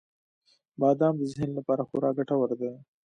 • بادام د ذهن لپاره خورا ګټور دی.